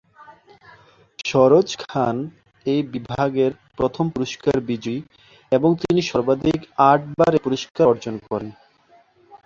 সরোজ খান এই বিভাগের প্রথম পুরস্কার বিজয়ী এবং তিনি সর্বাধিক আটবার এই পুরস্কার অর্জন করেন।